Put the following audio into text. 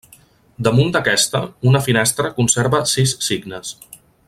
Damunt d'aquesta, una finestra conserva sis signes.